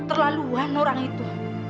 keterlaluan orang itu